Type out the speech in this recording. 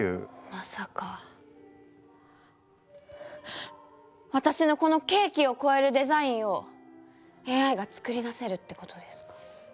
まさか私のこのケーキを超えるデザインをＡＩが作り出せるってことですか？